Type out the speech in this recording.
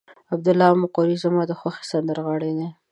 عبدالله مقری زما د خوښې سندرغاړی دی.